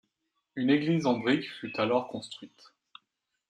Une église en brique fut alors construite.